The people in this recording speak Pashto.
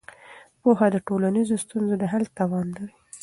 پوهه د ټولنیزو ستونزو د حل توان لري.